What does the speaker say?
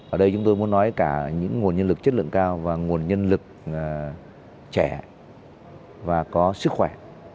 ở đây chúng tôi muốn nói cả những nguồn nhân lực chất lượng cao và nguồn nhân lực trẻ và có sức khỏe